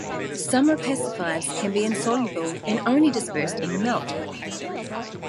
Some opacifiers can be insoluble and only dispersed in the melt.